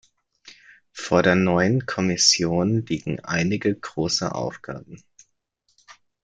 Vor der neuen Kommission liegen einige große Aufgaben.